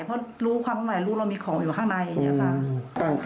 เพราะรู้ความข้างในรู้เรามีของอยู่ข้างในอย่างนี้ค่ะ